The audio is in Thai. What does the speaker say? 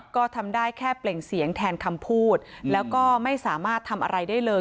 ก็ทำได้แค่เปล่งเสียงแทนคำพูดแล้วก็ไม่สามารถทำอะไรได้เลย